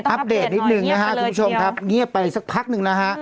อัปเดตนิดหนึ่งคุณผู้ชมครับเงียบไปสักพักหนึ่ง